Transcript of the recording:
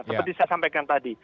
seperti saya sampaikan tadi